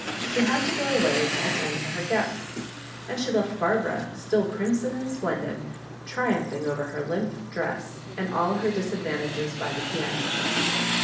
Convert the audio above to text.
'* She had to go away to attend to her guests, and she left Barbara still crimson and splendid^ triumph ing over her limp dress and aU her disadvantages by the piano.